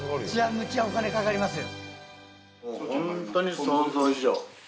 むちゃお金かかりますよ。